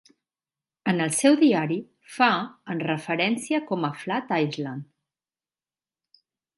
En el seu diari fa en referència com a Flat Island.